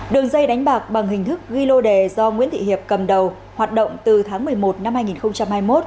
đường dây đánh bạc bằng hình thức ghi lô đề do nguyễn thị hiệp cầm đầu hoạt động từ tháng một mươi một năm hai nghìn hai mươi một